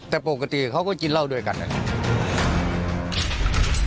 แต่ปกติเขาก็กินเหล้าด้วยกันนะครับ